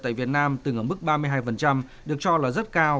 tại việt nam từng ở mức ba mươi hai được cho là rất cao